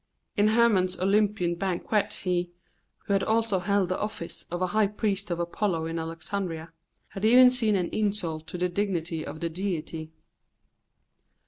In Hermon's Olympian Banquet he who also held the office of a high priest of Apollo in Alexandria had even seen an insult to the dignity of the deity.